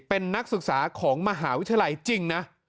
เป็นนักศึกษาของมหาวิทยาลัยจริงนะ